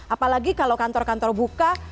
apalagi kalau kantor kantor buka